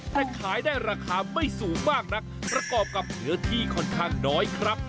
แต่ขายได้ราคาไม่สูงมากนักประกอบกับเนื้อที่ค่อนข้างน้อยครับ